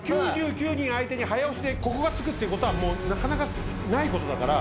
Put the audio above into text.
９９人相手に早押しでここがつくっていうことはなかなかないことだから。